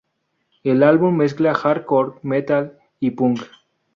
El álbum mezcla "hardcore", "metal" y "punk".